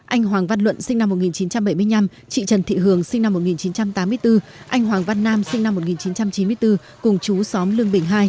anh hoàng văn luận sinh năm một nghìn chín trăm bảy mươi năm chị trần thị hường sinh năm một nghìn chín trăm tám mươi bốn anh hoàng văn nam sinh năm một nghìn chín trăm chín mươi bốn cùng chú xóm lương bình hai